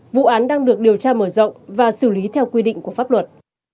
vụ án đang được điều tra mở rộng và xử lý theo quy định của pháp luật